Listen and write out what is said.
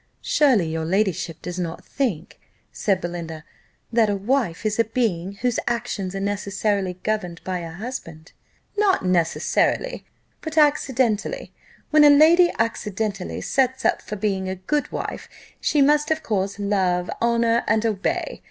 "Surely, your ladyship does not think," said Belinda, "that a wife is a being whose actions are necessarily governed by a husband." "Not necessarily but accidentally. When a lady accidentally sets up for being a good wife, she must of course love, honour, and obey.